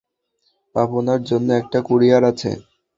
আপনার জন্য একটা কুরিয়ার আছে।